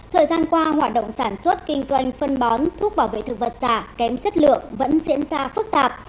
thời gian qua hoạt động sản xuất kinh doanh phân bón thuốc bảo vệ thực vật giả kém chất lượng vẫn diễn ra phức tạp